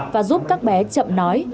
và giúp các bé chậm nói